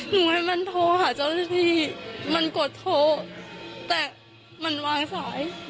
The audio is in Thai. ให้มันโทรหาเจ้าหน้าที่มันกดโทรแต่มันวางสาย